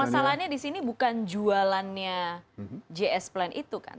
permasalahannya disini bukan jualannya gs plan itu kan